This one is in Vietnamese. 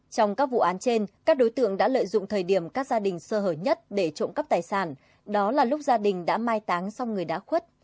trong các vụ án trên các đối tượng đã lợi dụng thời điểm các gia đình sơ hở nhất để trộm cắp tài sản đó là lúc gia đình đã mai táng xong người đã khuất